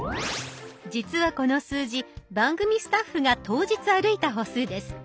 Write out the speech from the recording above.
実はこの数字番組スタッフが当日歩いた歩数です。